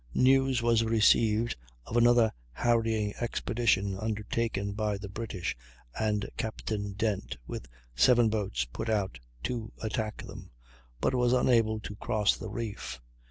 News was received of another harrying expedition undertaken by the British, and Captain Dent, with seven boats, put out to attack them, but was unable to cross the reef.